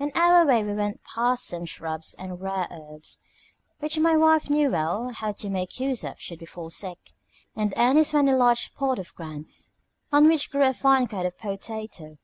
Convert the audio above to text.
On our way we went past some shrubs and rare herbs, which my wife knew well how to make use of should we fall sick; and Ernest found a large spot of ground on which grew a fine kind of PO TA TO.